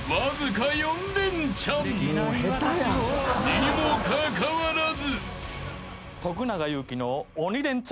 ［にもかかわらず］